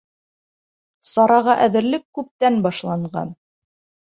Сараға әҙерлек күптән башланған.